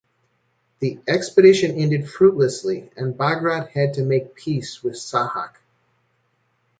The expedition ended fruitlessly and Bagrat had to make peace with Sahak.